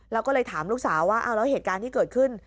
แล้วก็เลยถามลูกสาวว่าเอาแล้วเหตุการณ์ที่เกิดขึ้น